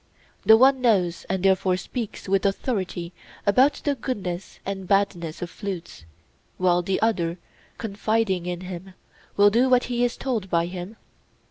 The one knows and therefore speaks with authority about the goodness and badness of flutes, while the other, confiding in him, will do what he is told by him?